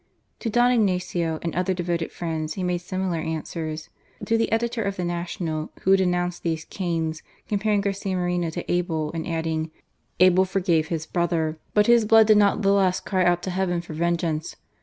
To Don Ignacio and other devoted friends he made similar answers. To the editor of the National (who had denounced these THE ASSASSINATION. 293 Cains, comparing Garcia Moreno to Abel, and adding: "Abel forgave his brother, but his blood did not the less cry out to Heaven for vengeance.